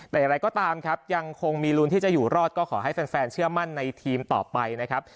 แต่อย่างไรก็ตามครับยังคงมีลุ้นที่จะอยู่รอดก็ขอให้แฟนเชื่อมั่นในทีมต่อไปนะครับ